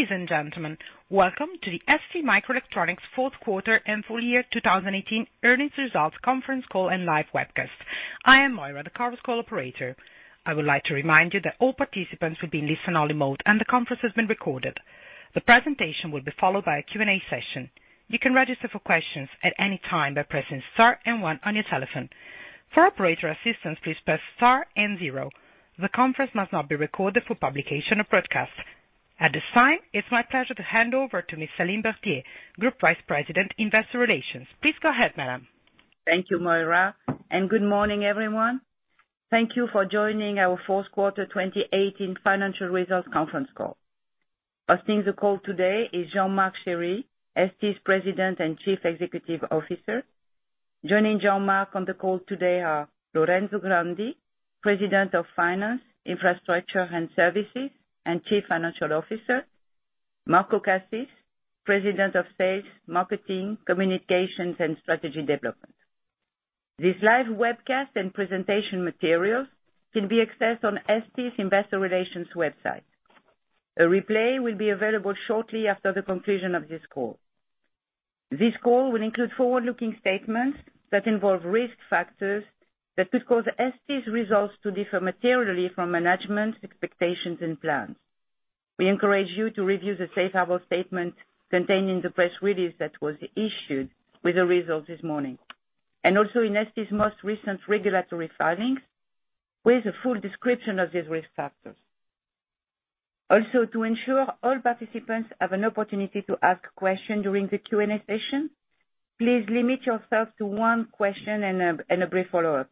Ladies and gentlemen, welcome to the STMicroelectronics fourth quarter and full year 2018 earnings results conference call and live webcast. I am Moira, the conference call operator. I would like to remind you that all participants will be in listen-only mode, and the conference is being recorded. The presentation will be followed by a Q&A session. You can register for questions at any time by pressing star and one on your telephone. For operator assistance, please press star and zero. The conference must not be recorded for publication or broadcast. At this time, it's my pleasure to hand over to Ms. Céline Berthier, Group Vice President, Investor Relations. Please go ahead, madam. Thank you, Moira, and good morning, everyone. Thank you for joining our fourth quarter 2018 financial results conference call. Hosting the call today is Jean-Marc Chery, ST's President and Chief Executive Officer. Joining Jean-Marc on the call today are Lorenzo Grandi, President of Finance, Infrastructure, and Services, and Chief Financial Officer, Marco Cassis, President of Sales, Marketing, Communications, and Strategy Development. This live webcast and presentation materials can be accessed on ST's Investor Relations website. A replay will be available shortly after the conclusion of this call. This call will include forward-looking statements that involve risk factors that could cause ST's results to differ materially from management's expectations and plans. We encourage you to review the safe harbor statement contained in the press release that was issued with the results this morning, and also in ST's most recent regulatory filings with a full description of these risk factors. Also, to ensure all participants have an opportunity to ask a question during the Q&A session, please limit yourself to one question and a brief follow-up.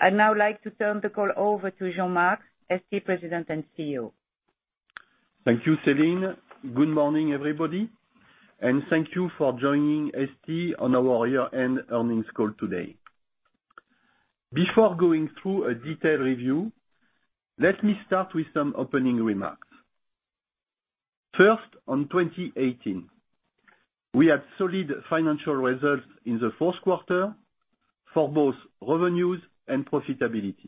I'd now like to turn the call over to Jean-Marc, ST President and CEO. Thank you, Céline. Good morning, everybody, and thank you for joining ST on our year-end earnings call today. Before going through a detailed review, let me start with some opening remarks. First, on 2018, we had solid financial results in the fourth quarter for both revenues and profitability.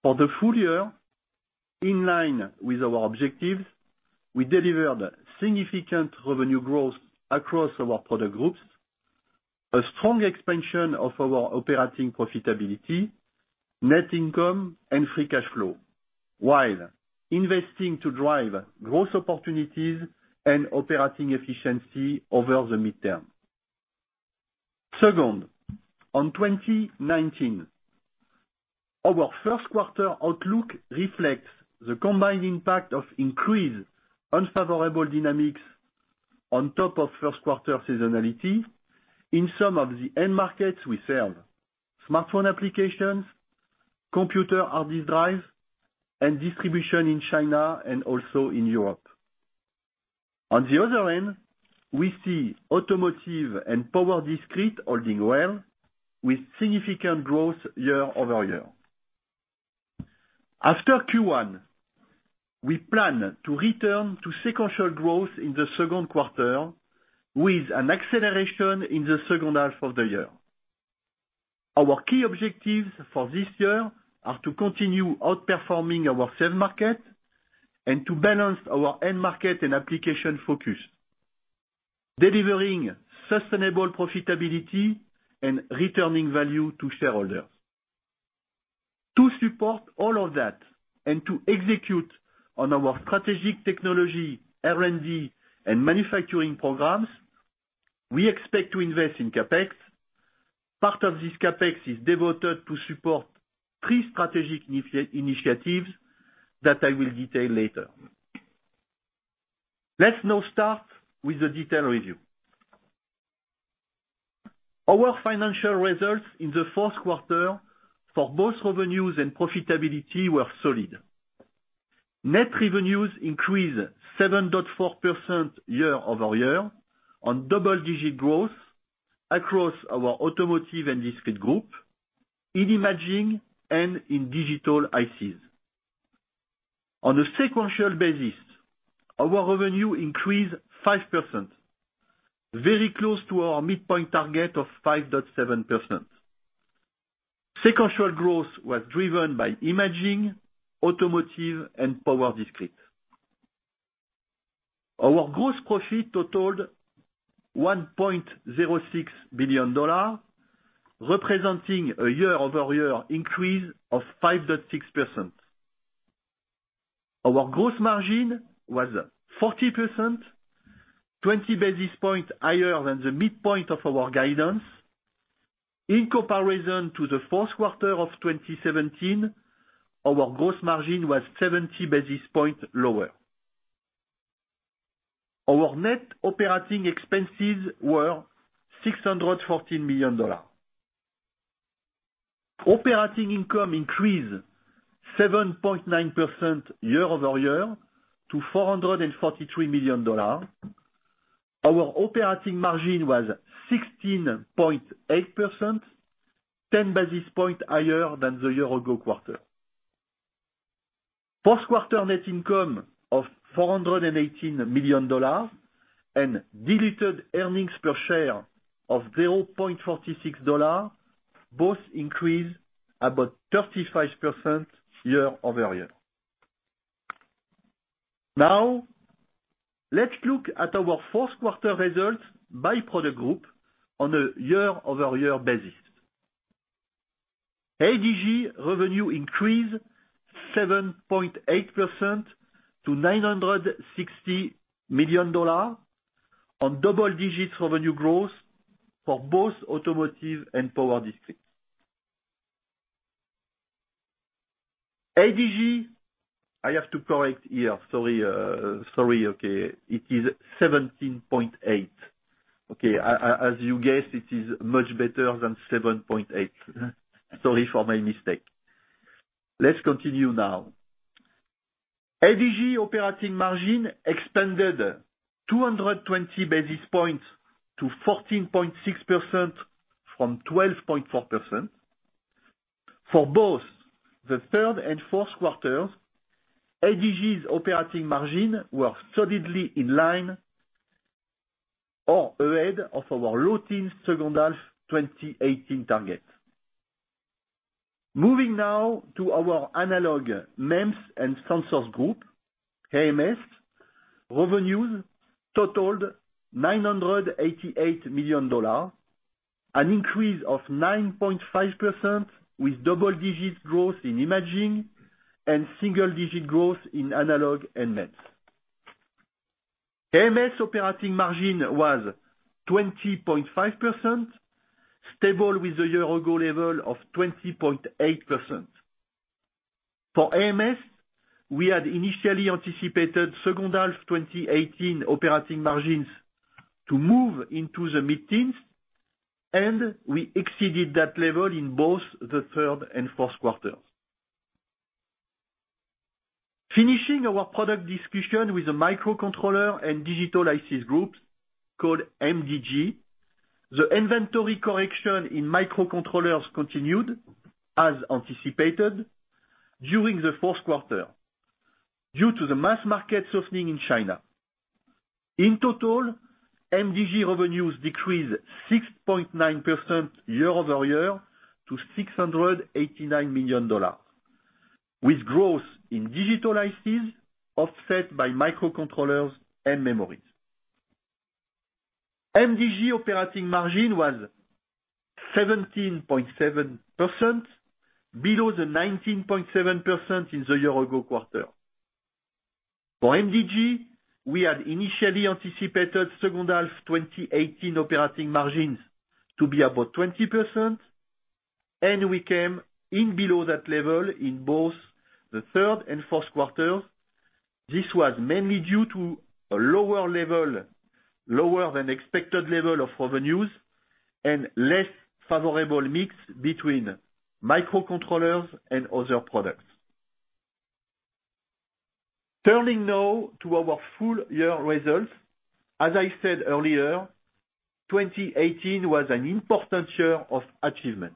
For the full year, in line with our objectives, we delivered significant revenue growth across our product groups, a strong expansion of our operating profitability, net income and free cash flow, while investing to drive growth opportunities and operating efficiency over the midterm. Second, on 2019, our first quarter outlook reflects the combined impact of increased unfavorable dynamics on top of first quarter seasonality in some of the end markets we serve, smartphone applications, computer hard disk drives, and distribution in China and also in Europe. On the other hand, we see automotive and power discrete holding well, with significant growth year-over-year. After Q1, we plan to return to sequential growth in the second quarter with an acceleration in the second half of the year. Our key objectives for this year are to continue outperforming our served market and to balance our end market and application focus, delivering sustainable profitability and returning value to shareholders. To support all of that and to execute on our strategic technology, R&D, and manufacturing programs, we expect to invest in CapEx. Part of this CapEx is devoted to support three strategic initiatives that I will detail later. Let's now start with the detailed review. Our financial results in the fourth quarter for both revenues and profitability were solid. Net revenues increased 7.4% year-over-year on double-digit growth across our automotive and discrete group, in imaging, and in digital ICs. On a sequential basis, our revenue increased 5%, very close to our midpoint target of 5.7%. Sequential growth was driven by imaging, automotive, and power discrete. Our gross profit totaled $1.06 billion, representing a year-over-year increase of 5.6%. Our gross margin was 40%, 20 basis points higher than the midpoint of our guidance. In comparison to the fourth quarter of 2017, our gross margin was 70 basis points lower. Our net operating expenses were $614 million. Operating income increased 7.9% year-over-year to $443 million. Our operating margin was 16.8%, 10 basis points higher than the year-ago quarter. Fourth quarter net income of $418 million and diluted earnings per share of $0.46. Both increased about 35% year-over-year. Let's look at our fourth quarter results by product group on a year-over-year basis. ADG revenue increased 7.8% to $960 million on double-digit revenue growth for both automotive and power discrete. ADG, I have to correct here. Sorry. It is 17.8. Okay. As you guessed, it is much better than 7.8. Sorry for my mistake. Let's continue now. ADG operating margin expanded 220 basis points to 14.6% from 12.4%. For both the third and fourth quarters, ADG's operating margin were solidly in line or ahead of our low teens second half 2018 target. Moving now to our Analog, MEMS and Sensors Group, AMS. Revenues totaled $988 million, an increase of 9.5% with double-digit growth in imaging and single-digit growth in analog and MEMS. AMS operating margin was 20.5%, stable with the year-ago level of 20.8%. For AMS, we had initially anticipated second half 2018 operating margins to move into the mid-teens. We exceeded that level in both the third and fourth quarters. Finishing our product discussion with the Microcontrollers and Digital ICs Group, MDG. The inventory correction in microcontrollers continued as anticipated during the fourth quarter due to the mass market softening in China. In total, MDG revenues decreased 6.9% year-over-year to $689 million, with growth in digital ICs offset by microcontrollers and memories. MDG operating margin was 17.7%, below the 19.7% in the year-ago quarter. For MDG, we had initially anticipated second half 2018 operating margins to be about 20%. We came in below that level in both the third and fourth quarters. This was mainly due to a lower than expected level of revenues and less favorable mix between microcontrollers and other products. Turning to our full year results. As I said earlier, 2018 was an important year of achievement.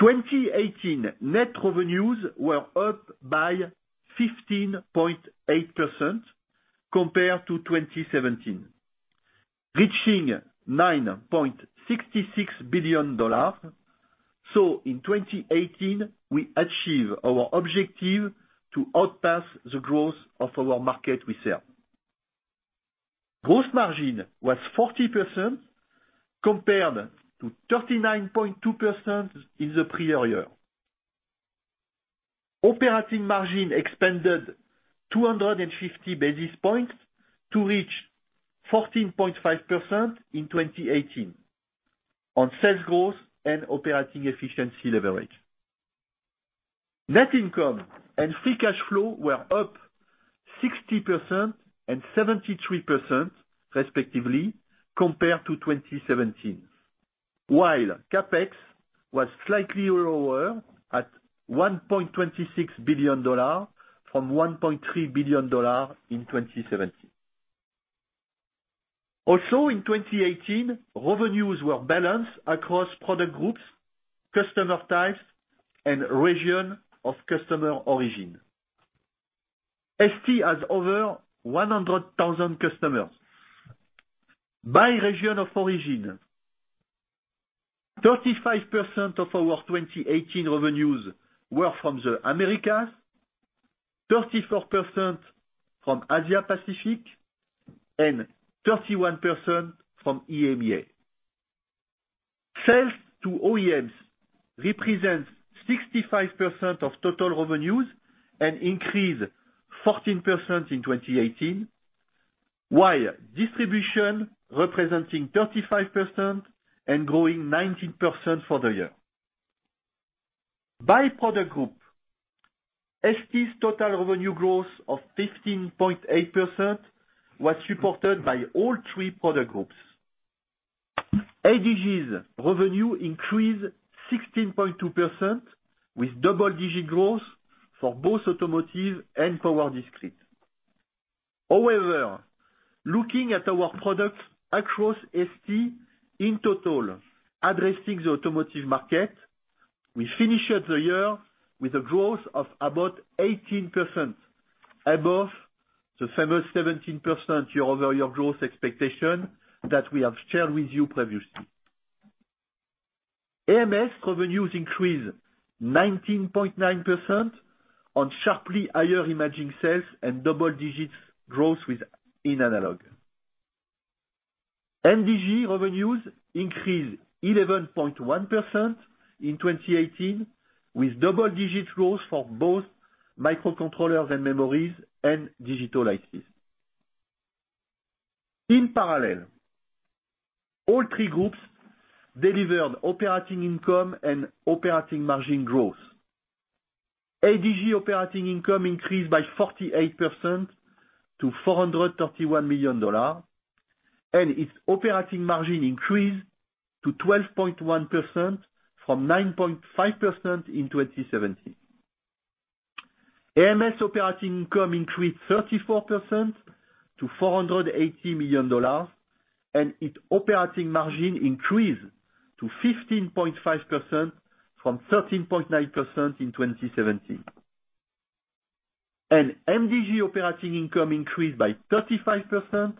2018 net revenues were up by 15.8% compared to 2017, reaching $9.66 billion. In 2018, we achieved our objective to outpace the growth of our market we serve. Gross margin was 40% compared to 39.2% in the prior year. Operating margin expanded 250 basis points to reach 14.5% in 2018 on sales growth and operating efficiency leverage. Net income and free cash flow were up 60% and 73% respectively compared to 2017, while CapEx was slightly lower at $1.26 billion from $1.3 billion in 2017. Also in 2018, revenues were balanced across product groups, customer types, and region of customer origin. ST has over 100,000 customers. By region of origin, 35% of our 2018 revenues were from the Americas, 34% from Asia Pacific, and 31% from EMEA. Sales to OEMs represents 65% of total revenues and increased 14% in 2018. Distribution representing 35% and growing 19% for the year. By product group, ST's total revenue growth of 15.8% was supported by all three product groups. ADG's revenue increased 16.2% with double-digit growth for both automotive and power discrete. Looking at our products across ST in total, addressing the automotive market-We finished the year with a growth of about 18%, above the famous 17% year-over-year growth expectation that we have shared with you previously. AMS revenues increased 19.9% on sharply higher imaging sales and double-digit growth within analog. MDG revenues increased 11.1% in 2018, with double-digit growth for both microcontrollers and memories and digital ICs. All three groups delivered operating income and operating margin growth. ADG operating income increased by 48% to $431 million, and its operating margin increased to 12.1% from 9.5% in 2017. AMS operating income increased 34% to $480 million, and its operating margin increased to 15.5% from 13.9% in 2017. MDG operating income increased by 35%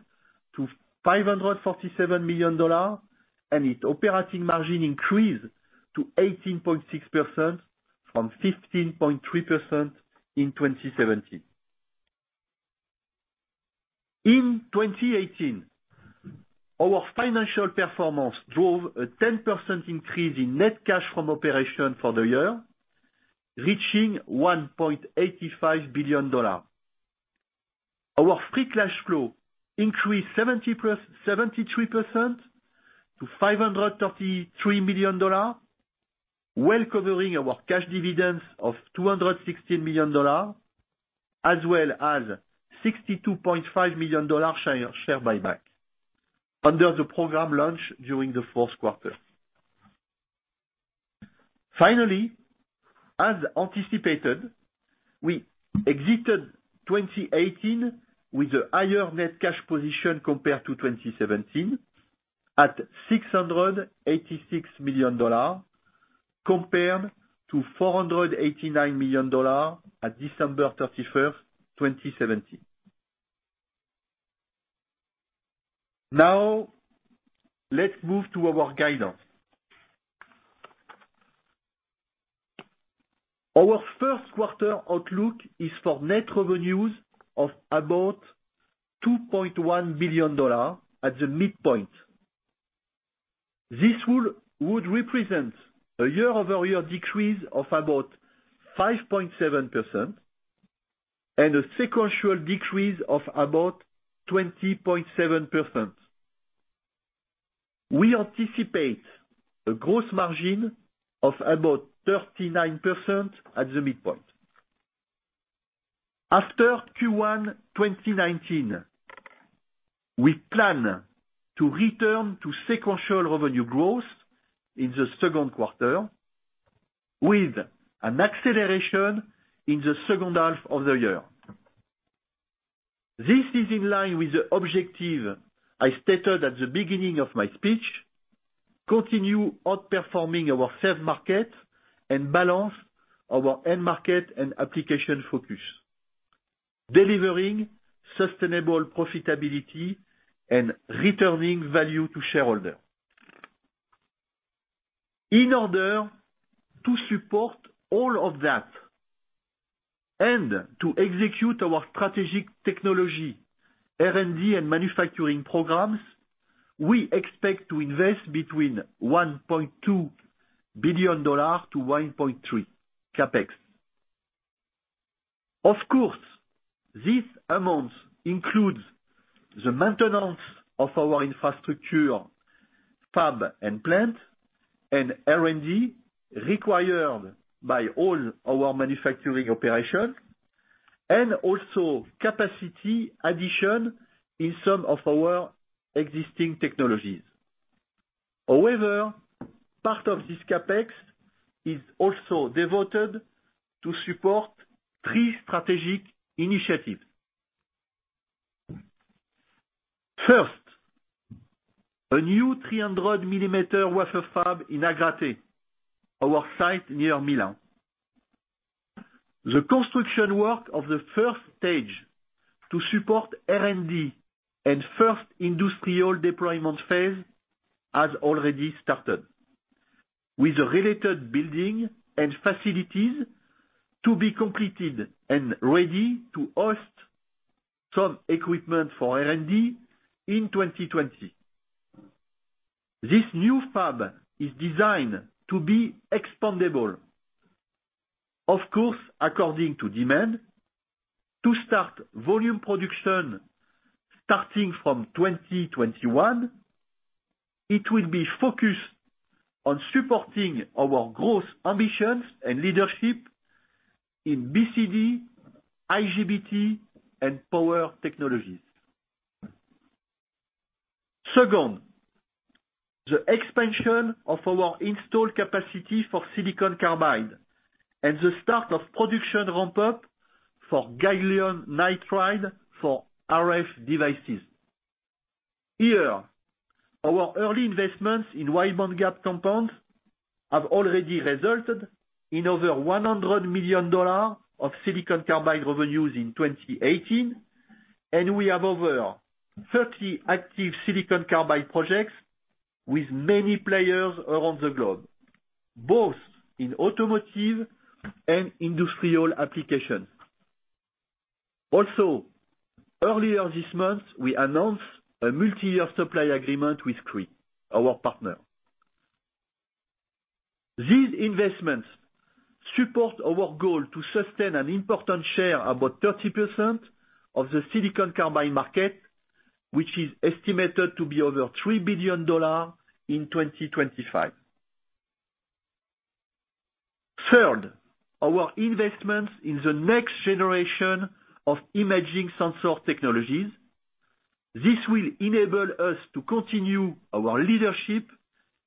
to $547 million, and its operating margin increased to 18.6% from 15.3% in 2017. In 2018, our financial performance drove a 10% increase in net cash from operation for the year, reaching $1.85 billion. Our free cash flow increased 73% to $533 million, well covering our cash dividends of $216 million, as well as $62.5 million share buyback under the program launch during the fourth quarter. As anticipated, we exited 2018 with a higher net cash position compared to 2017, at $686 million compared to $489 million at December 31st, 2017. Let's move to our guidance. Our first quarter outlook is for net revenues of about $2.1 billion at the midpoint. This would represent a year-over-year decrease of about 5.7% and a sequential decrease of about 20.7%. We anticipate a gross margin of about 39% at the midpoint. After Q1 2019, we plan to return to sequential revenue growth in the second quarter with an acceleration in the second half of the year. This is in line with the objective I stated at the beginning of my speech: continue outperforming our served market and balance our end market and application focus, delivering sustainable profitability and returning value to shareholders. In order to support all of that and to execute our strategic technology R&D and manufacturing programs, we expect to invest between $1.2 billion-$1.3 billion CapEx. Of course, this amount includes the maintenance of our infrastructure, fab and plant and R&D required by all our manufacturing operations, and also capacity addition in some of our existing technologies. However, part of this CapEx is also devoted to support three strategic initiatives. First, a new 300-millimeter wafer fab in Agrate, our site near Milan. The construction work of the first stage to support R&D and first industrial deployment phase has already started, with the related building and facilities to be completed and ready to host some equipment for R&D in 2020. This new fab is designed to be expandable, of course, according to demand, to start volume production starting from 2021. It will be focused on supporting our growth ambitions and leadership in BCD, IGBT, and power technologies. Second, the expansion of our installed capacity for silicon carbide and the start of production ramp-up for gallium nitride for RF devices. Here, our early investments in wide bandgap compounds have already resulted in over $100 million of silicon carbide revenues in 2018, and we have over 30 active silicon carbide projects with many players around the globe, both in automotive and industrial applications. Also, earlier this month, we announced a multi-year supply agreement with Cree, our partner. These investments support our goal to sustain an important share, about 30%, of the silicon carbide market, which is estimated to be over $3 billion in 2025. Third, our investments in the next generation of imaging sensor technologies. This will enable us to continue our leadership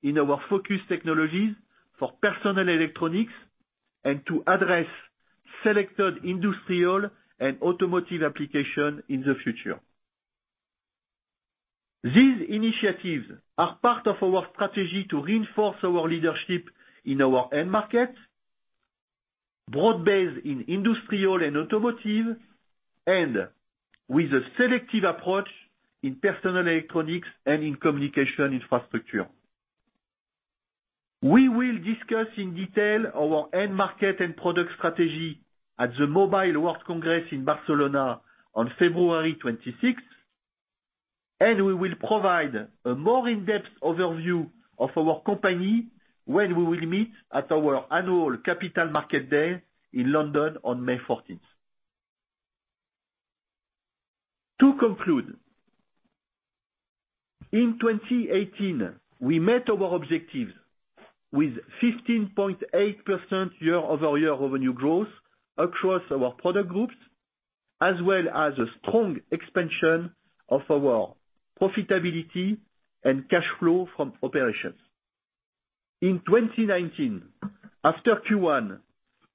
in our focus technologies for personal electronics and to address selected industrial and automotive application in the future. These initiatives are part of our strategy to reinforce our leadership in our end market, broad-based in industrial and automotive, and with a selective approach in personal electronics and in communication infrastructure. We will discuss in detail our end market and product strategy at the Mobile World Congress in Barcelona on February 26th, and we will provide a more in-depth overview of our company when we will meet at our annual Capital Market Day in London on May 14th. To conclude, in 2018, we met our objectives with 15.8% year-over-year revenue growth across our product groups, as well as a strong expansion of our profitability and cash flow from operations. In 2019, after Q1,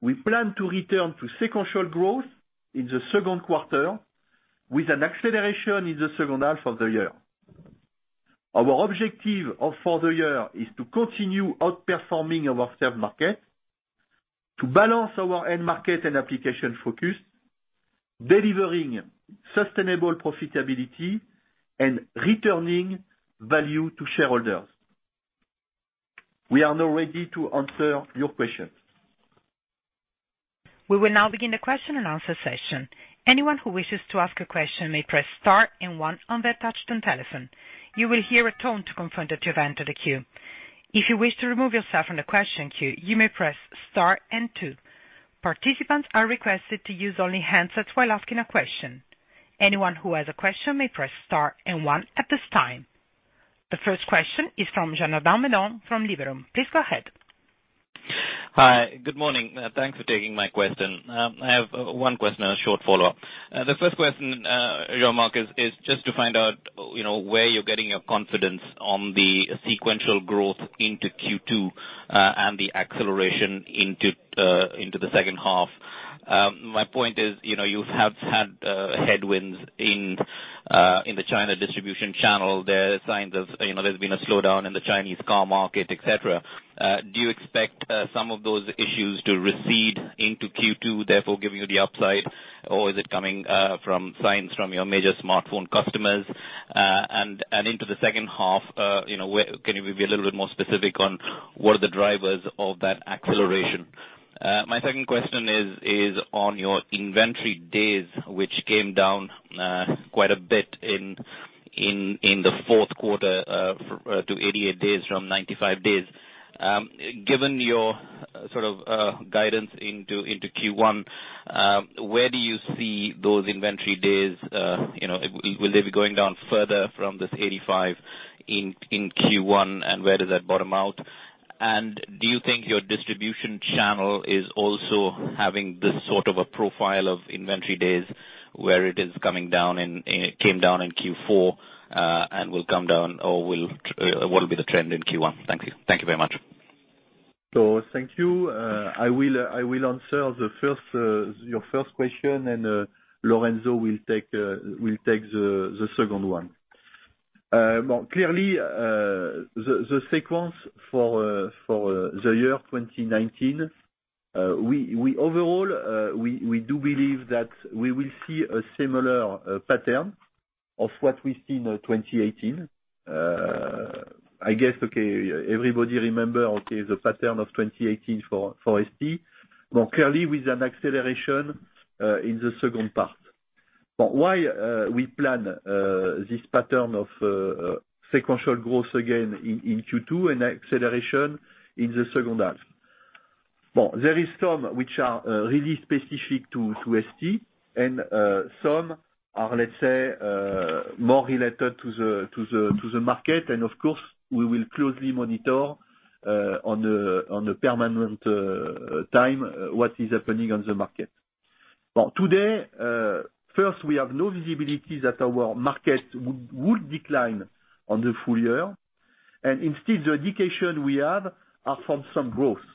we plan to return to sequential growth in the second quarter with an acceleration in the second half of the year. Our objective for the year is to continue outperforming our served market, to balance our end market and application focus, delivering sustainable profitability, and returning value to shareholders. We are now ready to answer your questions. We will now begin the question and answer session. Anyone who wishes to ask a question may press star and one on their touch-tone telephone. You will hear a tone to confirm that you have entered the queue. If you wish to remove yourself from the question queue, you may press star and two. Participants are requested to use only handsets while asking a question. Anyone who has a question may press star and one at this time. The first question is from Janardan Menon from Liberum. Please go ahead. Hi. Good morning. Thanks for taking my question. I have one question and a short follow-up. The first question, Jean-Marc, is just to find out where you're getting your confidence on the sequential growth into Q2, and the acceleration into the second half. My point is, you have had headwinds in the China distribution channel. There are signs there's been a slowdown in the Chinese car market, et cetera. Do you expect some of those issues to recede into Q2, therefore, giving you the upside? Is it coming from signs from your major smartphone customers? Into the second half, can you be a little bit more specific on what are the drivers of that acceleration? My second question is on your inventory days, which came down quite a bit in the fourth quarter to 88 days from 95 days. Given your sort of guidance into Q1, where do you see those inventory days? Will they be going down further from this 85 in Q1? Where does that bottom out? Do you think your distribution channel is also having this sort of a profile of inventory days where it came down in Q4, and will come down, or what will be the trend in Q1? Thank you. Thank you very much. Thank you. I will answer your first question, and Lorenzo will take the second one. Clearly, the sequence for the year 2019, overall, we do believe that we will see a similar pattern of what we see now 2018. I guess, everybody remember the pattern of 2018 for ST. More clearly, with an acceleration in the second part. Why we plan this pattern of sequential growth again in Q2 and acceleration in the second half? There is some which are really specific to ST, and some are, let's say, more related to the market. Of course, we will closely monitor on a permanent time what is happening on the market. Today, first, we have no visibility that our market would decline on the full year, and instead, the indication we have are for some growth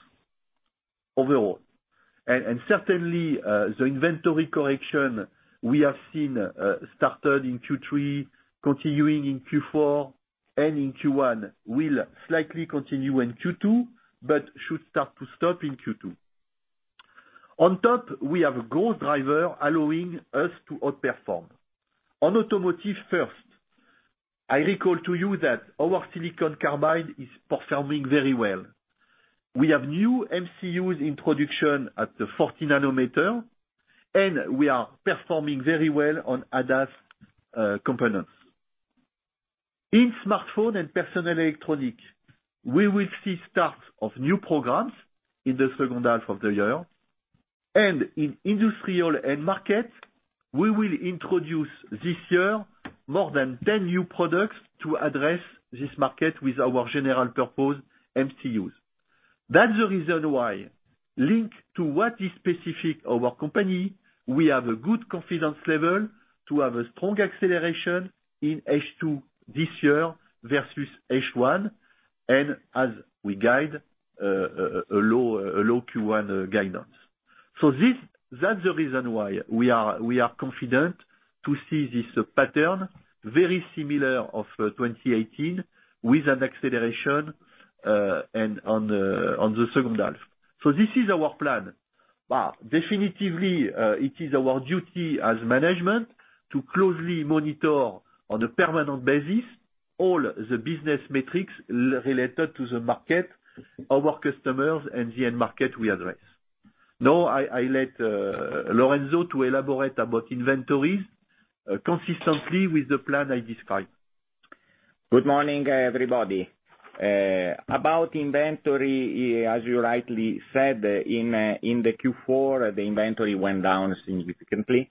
overall. Certainly, the inventory correction we have seen started in Q3, continuing in Q4 and in Q1, will slightly continue in Q2, but should start to stop in Q2. On top, we have a growth driver allowing us to outperform. On automotive first, I recall to you that our silicon carbide is performing very well. We have new MCUs in production at the 40 nanometer, and we are performing very well on ADAS components. In smartphone and personal electronic, we will see start of new programs in the second half of the year and in industrial end market, we will introduce this year more than 10 new products to address this market with our general purpose MCUs. That's the reason why linked to what is specific our company, we have a good confidence level to have a strong acceleration in H2 this year versus H1 and as we guide, a low Q1 guidance. That's the reason why we are confident to see this pattern very similar of 2018 with an acceleration on the second half. This is our plan. Definitively, it is our duty as management to closely monitor on a permanent basis all the business metrics related to the market, our customers and the end market we address. Now, I let Lorenzo to elaborate about inventories, consistently with the plan I described. Good morning, everybody. About inventory, as you rightly said, in the Q4, the inventory went down significantly.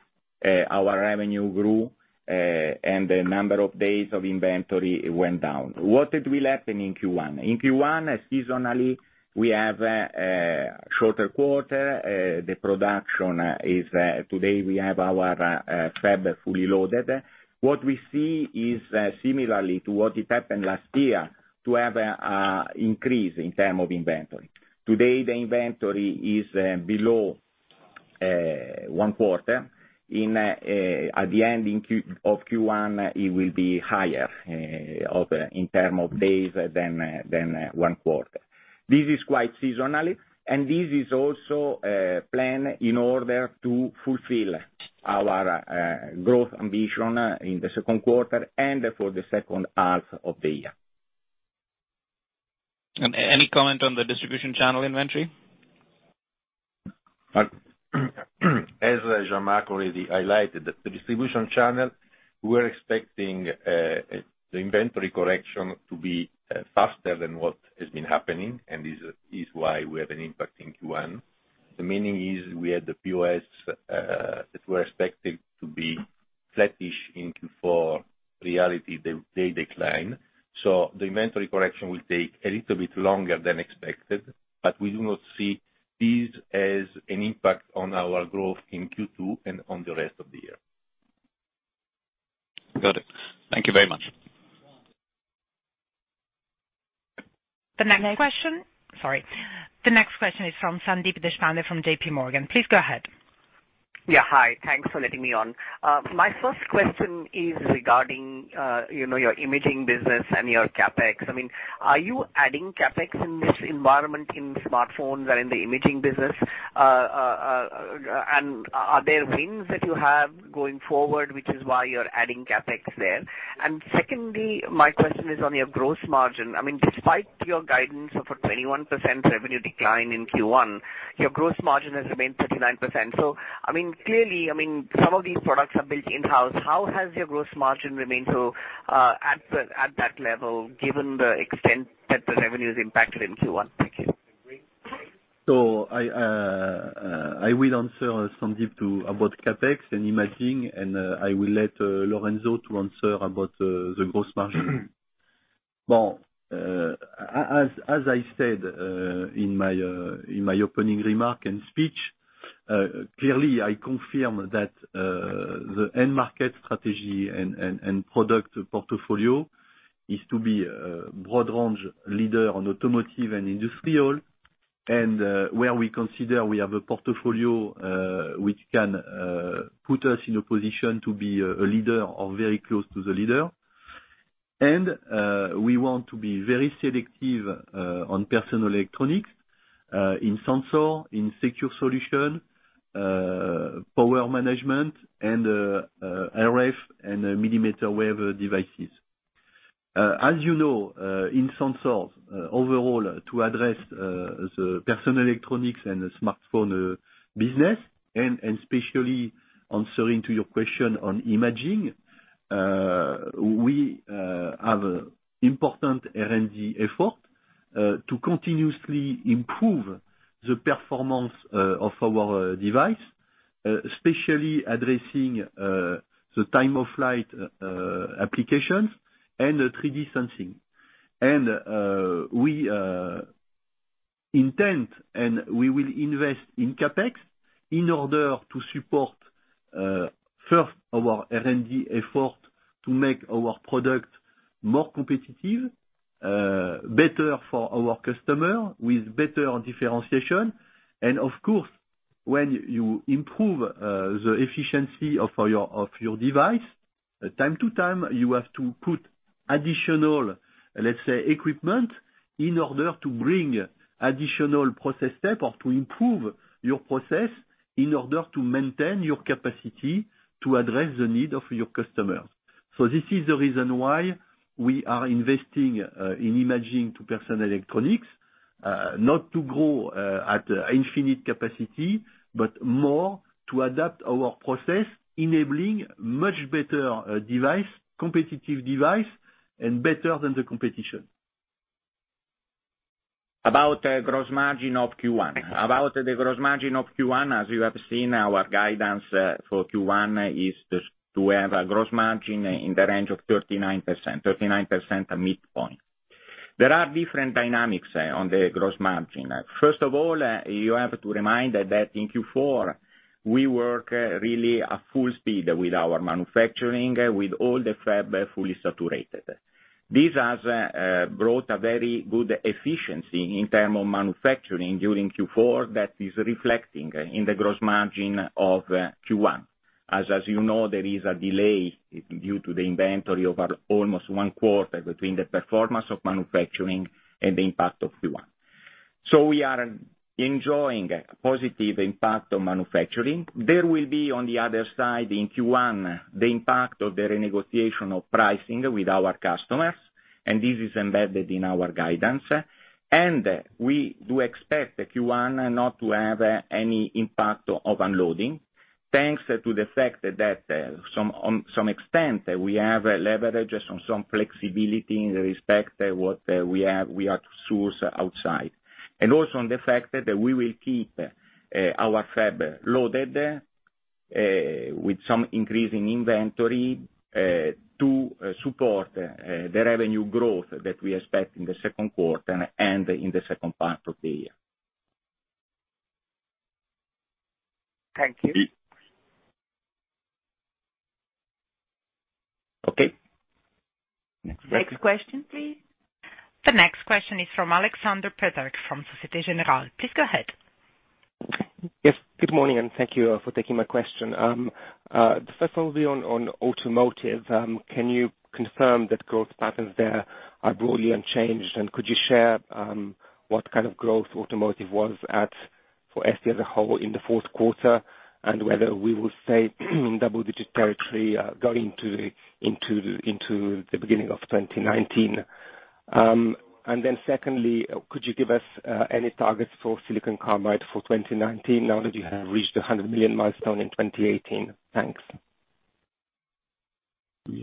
Our revenue grew, and the number of days of inventory went down. What will happen in Q1? In Q1, seasonally, we have a shorter quarter. The production is, today we have our fab fully loaded. What we see is similarly to what happened last year, to have an increase in terms of inventory. Today, the inventory is below one quarter. At the end of Q1, it will be higher in terms of days than one quarter. This is quite seasonally, and this is also a plan in order to fulfill our growth ambition in the second quarter and for the second half of the year. Any comment on the distribution channel inventory? As Jean-Marc already highlighted, the distribution channel, we're expecting the inventory correction to be faster than what has been happening, and this is why we have an impact in Q1. The meaning is we had the POS, that we're expecting to be flattish in Q4. Reality, they decline. The inventory correction will take a little bit longer than expected, but we do not see this as an impact on our growth in Q2 and on the rest of the year. Got it. Thank you very much. The next question is from Sandeep Deshpande from JPMorgan. Please go ahead. Yeah. Hi. Thanks for letting me on. My first question is regarding your imaging business and your CapEx. I mean, are you adding CapEx in this environment in smartphones or in the imaging business? Are there wins that you have going forward, which is why you're adding CapEx there? Secondly, my question is on your gross margin. I mean, despite your guidance of a 21% revenue decline in Q1, your gross margin has remained 39%. I mean, clearly, some of these products are built in-house. How has your gross margin remained so at that level, given the extent that the revenue is impacted in Q1? Thank you. I will answer, Sandeep, too, about CapEx and imaging, and I will let Lorenzo to answer about the gross margin. Well, as I said in my opening remark and speech, clearly I confirm that the end market strategy and product portfolio is to be a broad range leader on automotive and industrial. Where we consider we have a portfolio, which can put us in a position to be a leader or very close to the leader. We want to be very selective on personal electronics, in sensor, in secure solution, power management, and RF and millimeter wave devices. As you know, in sensors, overall to address the personal electronics and smartphone business and especially answering to your question on imaging, we have important R&D effort to continuously improve the performance of our device, especially addressing the time of flight applications and 3D sensing. We intend, and we will invest in CapEx in order to support. First, our R&D effort to make our product more competitive, better for our customer with better differentiation. Of course, when you improve the efficiency of your device, time to time, you have to put additional, let's say, equipment in order to bring additional process step or to improve your process in order to maintain your capacity to address the need of your customers. This is the reason why we are investing in imaging to personal electronics. Not to grow at infinite capacity, but more to adapt our process, enabling much better device, competitive device, and better than the competition. About the gross margin of Q1. As you have seen, our guidance for Q1 is to have a gross margin in the range of 39%, mid-point. There are different dynamics on the gross margin. First of all, you have to remind that in Q4, we work really at full speed with our manufacturing, with all the fab fully saturated. This has brought a very good efficiency in terms of manufacturing during Q4 that is reflecting in the gross margin of Q1. As you know, there is a delay due to the inventory of almost one quarter between the performance of manufacturing and the impact of Q1. We are enjoying a positive impact on manufacturing. There will be, on the other side, in Q1, the impact of the renegotiation of pricing with our customers, and this is embedded in our guidance. We do expect the Q1 not to have any impact of unloading, thanks to the fact that to some extent, we have leverage on some flexibility with respect to what we have to source outside. Also on the fact that we will keep our fab loaded, with some increasing inventory, to support the revenue growth that we expect in the second quarter and in the second part of the year. Thank you. Okay. Next question, please. The next question is from Alexander Peterc from Société Générale. Please go ahead. Yes. Good morning, and thank you for taking my question. The first will be on automotive. Can you confirm that growth patterns there are broadly unchanged, and could you share what kind of growth automotive was at for ST as a whole in the fourth quarter, and whether we will stay double-digit territory going into the beginning of 2019? Then secondly, could you give us any targets for silicon carbide for 2019 now that you have reached the 100 million milestone in 2018? Thanks.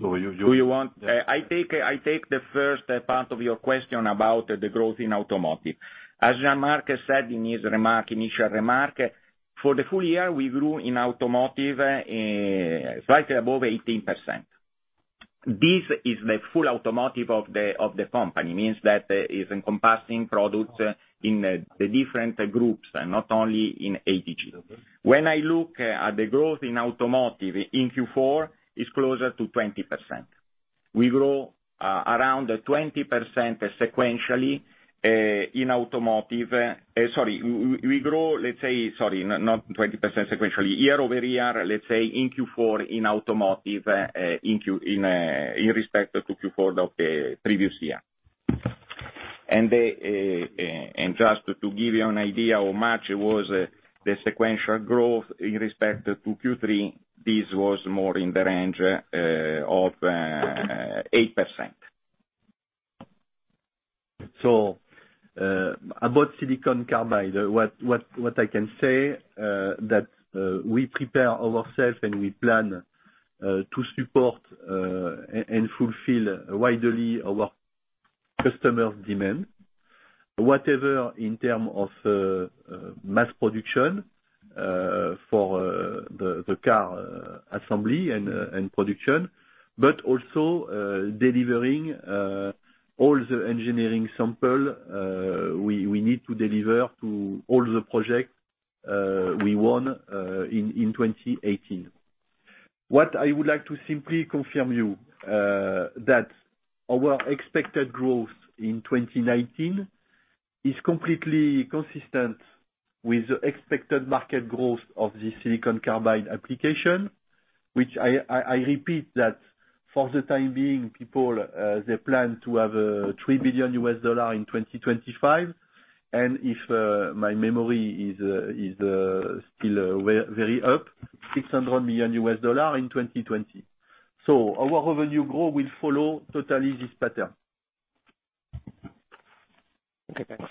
So you- Do you want I take the first part of your question about the growth in automotive? As Jean-Marc said in his initial remark, for the full year, we grew in automotive slightly above 18%. This is the full automotive of the company, means that it is encompassing products in the different groups and not only in ADG. When I look at the growth in automotive in Q4, it is closer to 20%. We grow around 20% sequentially. We grow, let's say, not 20% sequentially. Year-over-year, let's say, in Q4 in automotive, in respect to Q4 of previous year. Just to give you an idea how much was the sequential growth in respect to Q3, this was more in the range of 8%. About silicon carbide, what I can say, that we prepare ourselves, and we plan to support, and fulfill widely our customers' demand. Whatever in terms of mass production, for the car assembly and production, but also delivering all the engineering samples we need to deliver to all the projects we won in 2018. What I would like to simply confirm you, that our expected growth in 2019 is completely consistent with the expected market growth of the silicon carbide application, which I repeat that for the time being, people, they plan to have $3 billion in 2025. If my memory is still very up, $600 million in 2020. Our revenue growth will follow totally this pattern. Okay, thanks.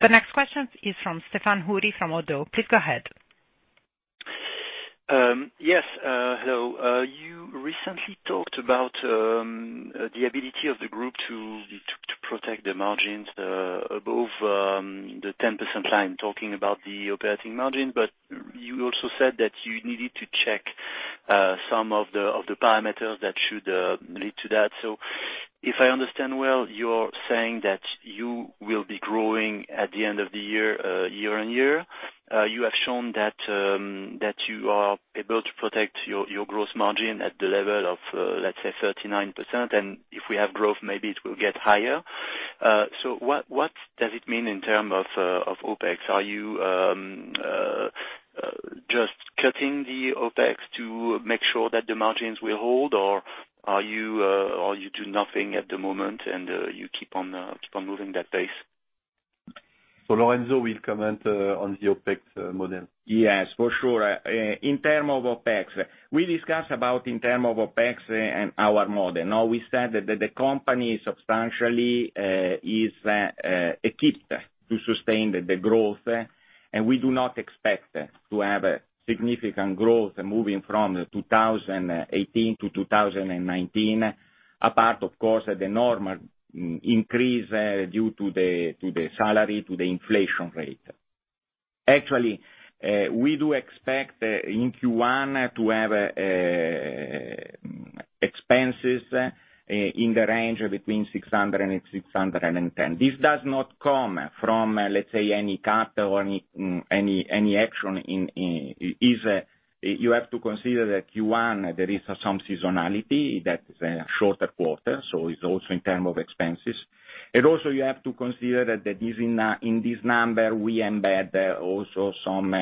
The next question is from Stéphane Houri from Oddo. Please go ahead. Yes, hello. You recently talked about the ability of the group to protect the margins above the 10% line, talking about the operating margin. You also said that you needed to check some of the parameters that should lead to that. If I understand well, you are saying that you will be growing at the end of the year-on-year. You have shown that you are able to protect your gross margin at the level of, let's say, 39%, and if we have growth, maybe it will get higher. What does it mean in terms of OpEx? Are you just cutting the OpEx to make sure that the margins will hold, or you do nothing at the moment and you keep on moving that base? Lorenzo will comment on the OpEx model. Yes, for sure. In terms of OpEx, we discuss about in terms of OpEx and our model. We said that the company substantially is equipped to sustain the growth, and we do not expect to have significant growth moving from 2018 to 2019. Apart, of course, the normal increase due to the salary, to the inflation rate. Actually, we do expect in Q1 to have expenses in the range of between 600 and 610. This does not come from, let's say, any cut or any action. You have to consider that Q1, there is some seasonality, that is a shorter quarter, so it's also in terms of expenses. Also, you have to consider that in this number, we embed also some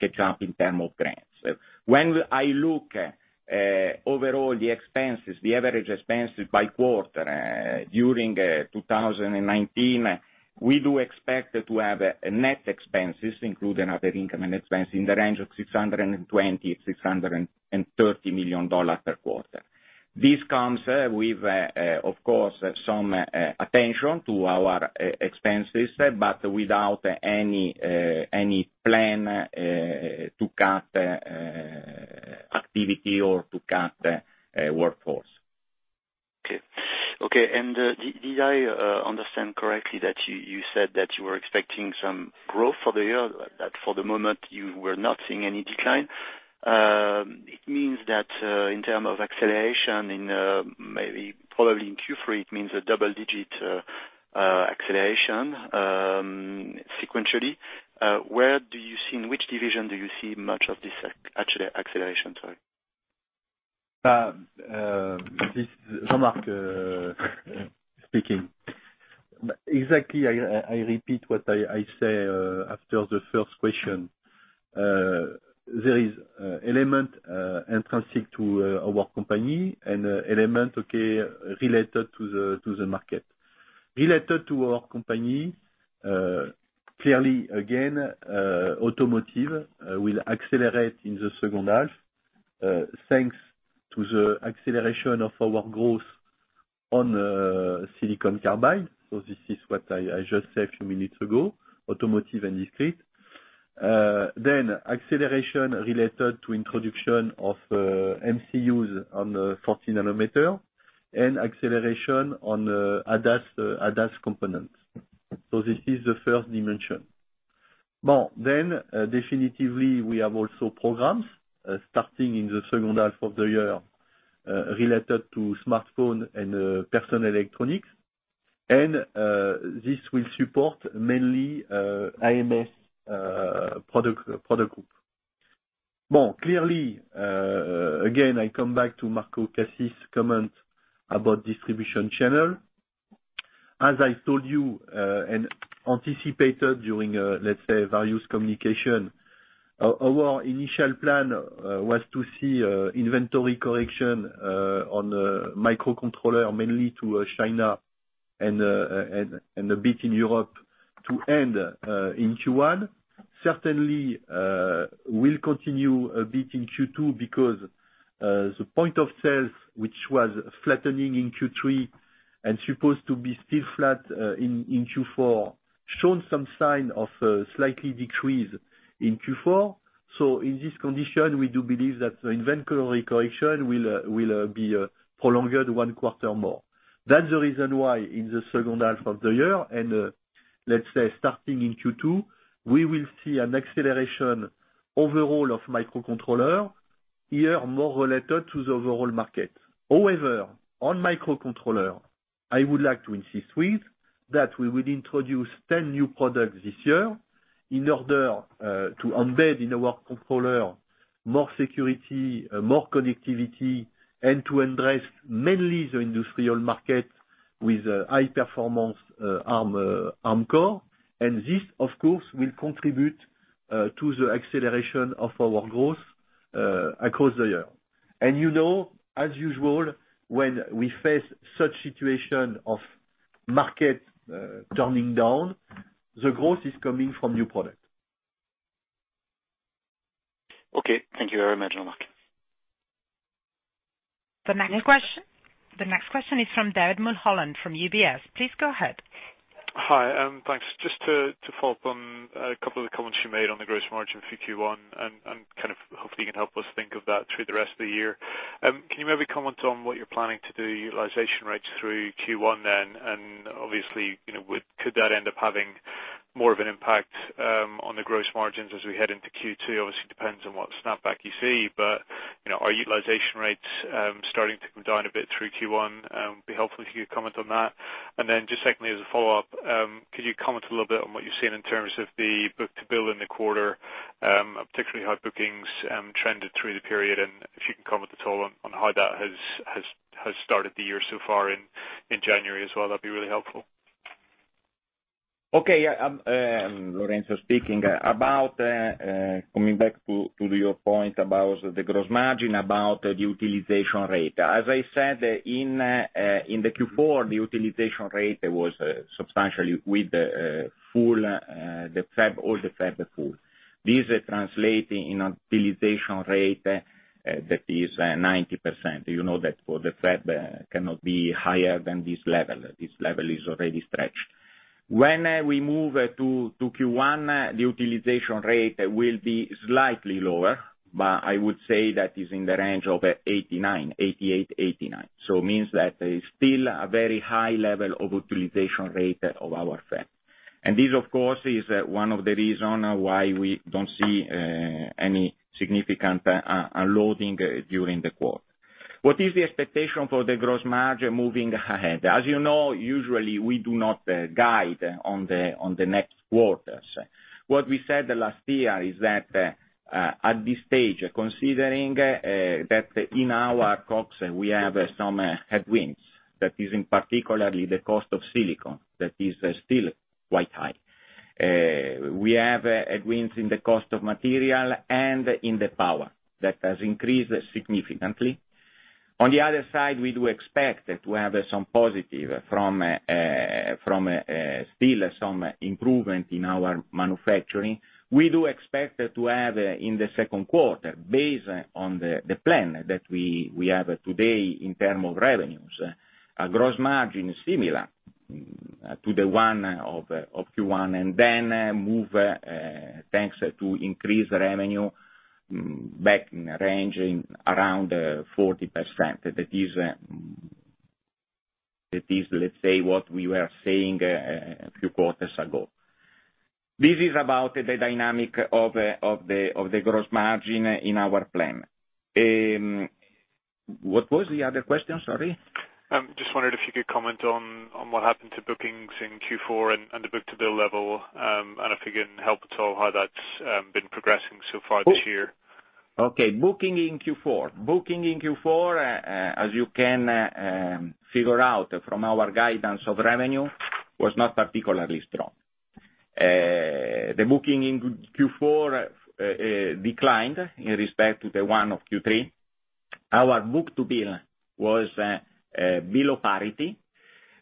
catch up in terms of grants. When I look overall the expenses, the average expenses by quarter, during 2019, we do expect to have net expenses, including other income and expense, in the range of $620 million-$630 million per quarter. This comes with, of course, some attention to our expenses, but without any plan to cut activity or to cut workforce. Did I understand correctly that you said that you were expecting some growth for the year, that for the moment you were not seeing any decline? It means that, in term of acceleration in maybe, probably in Q3, it means a double-digit acceleration sequentially. In which division do you see much of this acceleration, sorry? This is Jean-Marc speaking. Exactly, I repeat what I say after the first question. There is element intrinsic to our company and element, okay, related to the market. Related to our company, clearly again, automotive will accelerate in the second half, thanks to the acceleration of our growth on silicon carbide. This is what I just said a few minutes ago, automotive and discrete. Acceleration related to introduction of MCUs on 40 nanometer, and acceleration on ADAS components. This is the first dimension. Definitively, we have also programs starting in the second half of the year, related to smartphone and personal electronics. This will support mainly AMS product group. Clearly, again, I come back to Marco Cassis' comment about distribution channel. As I told you, and anticipated during, let's say, various communication, our initial plan was to see inventory correction on microcontroller, mainly to China and a bit in Europe to end in Q1. Certainly, will continue a bit in Q2 because the point of sales, which was flattening in Q3 and supposed to be still flat in Q4, shown some sign of slightly decrease in Q4. In this condition, we do believe that the inventory correction will be prolonged one quarter more. That's the reason why in the second half of the year and, let's say, starting in Q2, we will see an acceleration overall of microcontroller, here more related to the overall market. However, on microcontroller, I would like to insist with, that we will introduce 10 new products this year in order to embed in our controller more security, more connectivity, and to address mainly the industrial market with high performance ARM core. This, of course, will contribute to the acceleration of our growth across the year. You know, as usual, when we face such situation of market turning down, the growth is coming from new product. Okay. Thank you very much, Jean-Marc. The next question is from David Mulholland from UBS. Please go ahead. Hi, thanks. Just to follow up on a couple of the comments you made on the gross margin for Q1, and kind of hopefully you can help us think of that through the rest of the year. Can you maybe comment on what you're planning to do utilization rates through Q1 then, and obviously, could that end up having more of an impact on the gross margins as we head into Q2. Obviously, depends on what snapback you see, but are utilization rates starting to come down a bit through Q1? It would be helpful if you could comment on that. Then just secondly, as a follow-up, could you comment a little bit on what you've seen in terms of the book-to-bill in the quarter, particularly how bookings trended through the period? If you can comment at all on how that has started the year so far in January as well, that'd be really helpful. Okay. Yeah. Lorenzo speaking. Coming back to your point about the gross margin, about the utilization rate. As I said, in the Q4, the utilization rate was substantially with the full fab or the fab full. This translating in a utilization rate that is 90%. You know that for the fab cannot be higher than this level. This level is already stretched. When we move to Q1, the utilization rate will be slightly lower, but I would say that is in the range of 88, 89. It means that there's still a very high level of utilization rate of our fab. This, of course, is one of the reason why we don't see any significant unloading during the quarter. What is the expectation for the gross margin moving ahead? As you know, usually we do not guide on the next quarters. What we said last year is that, at this stage, considering that in our COGS, we have some headwinds. That is, in particularly, the cost of silicon that is still quite high. We have headwinds in the cost of material and in the power that has increased significantly. On the other side, we do expect to have some positive from still some improvement in our manufacturing. We do expect to have, in the second quarter, based on the plan that we have today in term of revenues, a gross margin similar to the one of Q1, and then move, thanks to increased revenue, back ranging around 40%. That is, let's say, what we were saying a few quarters ago. This is about the dynamic of the gross margin in our plan. What was the other question? Sorry. Just wondered if you could comment on what happened to bookings in Q4 and the book-to-bill level, and if you can help at all how that's been progressing so far this year. Okay. Booking in Q4. Booking in Q4, as you can figure out from our guidance of revenue, was not particularly strong. The booking in Q4 declined in respect to the one of Q3. Our book-to-bill was below parity.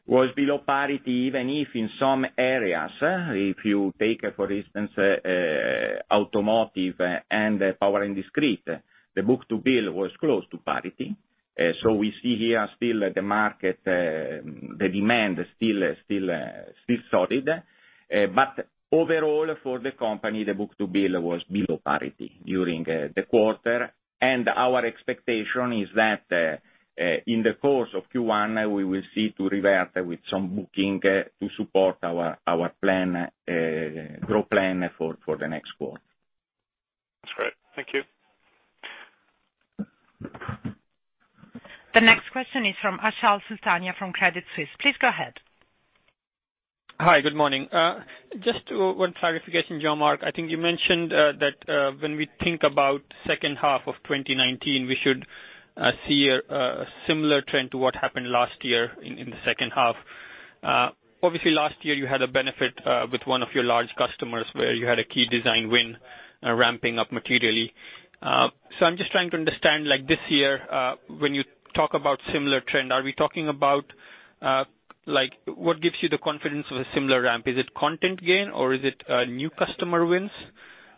Was below parity even if in some areas, if you take for instance, automotive and power and discrete, the book-to-bill was close to parity. We see here still the market, the demand still solid. Overall for the company, the book-to-bill was below parity during the quarter. Our expectation is that, in the course of Q1, we will see to revert with some booking to support our growth plan for the next quarter. That's great. Thank you. The next question is from Achal Sultania from Credit Suisse. Please go ahead. Hi. Good morning. Just one clarification, Jean-Marc. I think you mentioned that when we think about second half of 2019, we should see a similar trend to what happened last year in the second half. Obviously, last year you had a benefit with one of your large customers where you had a key design win ramping up materially. I'm just trying to understand, this year, when you talk about similar trend, are we talking about what gives you the confidence of a similar ramp? Is it content gain, or is it new customer wins?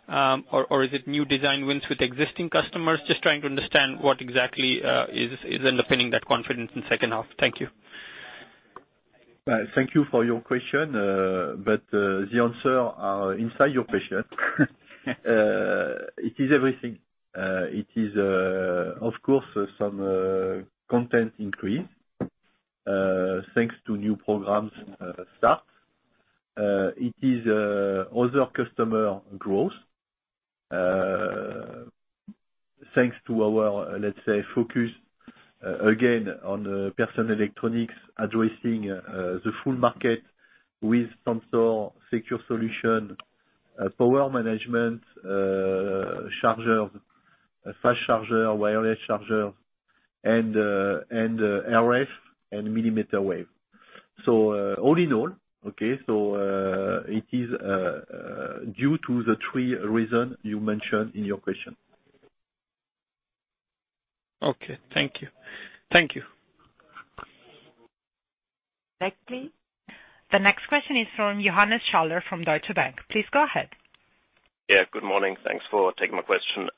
Or is it new design wins with existing customers? Just trying to understand what exactly is underpinning that confidence in second half. Thank you. Thank you for your question. The answer inside your question. It is everything. It is, of course, some content increase, thanks to new programs start. It is other customer growth. Thanks to our, let's say, focus, again, on personal electronics, addressing the full market with sensor, secure solution, power management, chargers, fast charger, wireless charger, and RF and millimeter wave. All in all, okay, it is due to the three reason you mentioned in your question. Okay. Thank you. Next, please. The next question is from Johannes Schaller from Deutsche Bank. Please go ahead. Yeah, good morning. Thanks for taking my question.